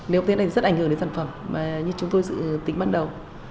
nếu không thế thì rất ảnh hưởng đến sản phẩm như chúng tôi dự tính bắt đầu